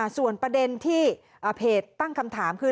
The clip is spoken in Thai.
ส่วนประเด็นที่เพจตั้งคำถามคือ